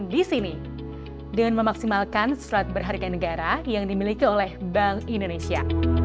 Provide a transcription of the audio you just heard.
di sini dengan memaksimalkan surat berharga negara yang dimiliki oleh bank indonesia